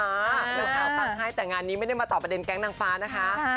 ตั้งให้แต่งานนี้ไม่ได้มาตอบประเด็นแก๊งนางฟ้านะคะ